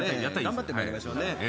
頑張ってまいりましょうね。